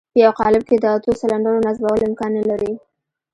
په يوه قالب کې د اتو سلنډرو نصبول امکان نه لري.